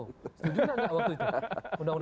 setuju nggak waktu itu